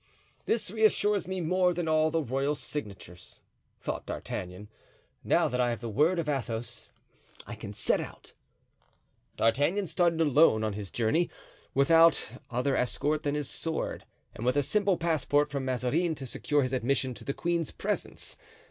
"This reassures me more than all the royal signatures," thought D'Artagnan. "Now that I have the word of Athos I can set out." D'Artagnan started alone on his journey, without other escort than his sword, and with a simple passport from Mazarin to secure his admission to the queen's presence.